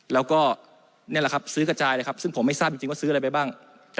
แล้วก็นี่แหละครับซื้อกระจายเลยครับซึ่งผมไม่ทราบจริงว่าซื้ออะไรไปบ้าง